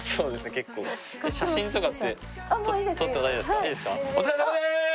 結構写真とかって撮っても大丈夫ですか？